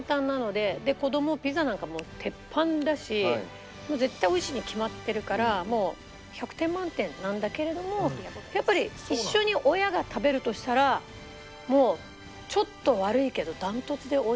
で子供ピザなんかもう鉄板だしもう絶対美味しいに決まってるからもう１００点満点なんだけれどもやっぱり一緒に親が食べるとしたらもうちょっと悪いけどホントそう。